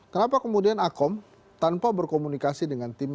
kenapa kemudian akom tanpa berkomunikasi dengan tim